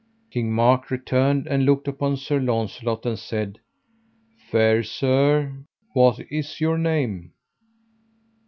King Mark returned and looked upon Sir Launcelot, and said: Fair sir, what is your name?